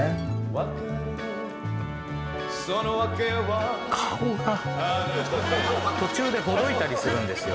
別れのそのわけは顔が途中でほどいたりするんですよ